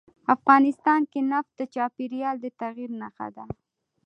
افغانستان کې نفت د چاپېریال د تغیر نښه ده.